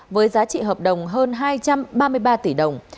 với giá trị hợp đồng hơn hai trăm ba mươi ba tỷ đồng